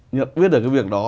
nhận biết được cái việc đó